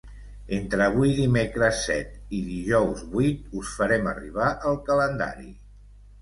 Entre avui dimecres set i dijous vuit us farem arribar el calendari.